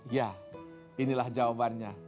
ya inilah jawabannya